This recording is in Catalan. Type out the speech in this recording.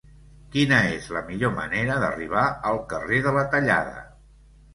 Quina és la millor manera d'arribar al carrer de la Tallada?